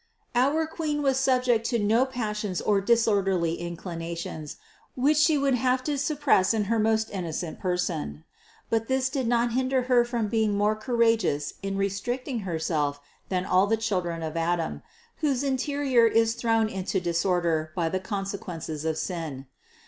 Our Queen was subject to no passions or dis orderly inclinations, which She would have to suppress in her most innocent person ; but this did not hinder Her from being more courageous in restricting Herself than all the children of Adam, whose interior is thrown into disorder by the consequences of sin.